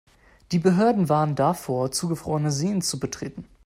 Die Behörden warnen davor, zugefrorene Seen zu betreten.